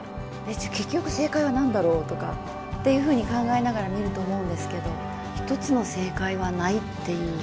じゃ結局正解は何だろうとかっていうふうに考えながら見ると思うんですけど１つの正解はないっていう。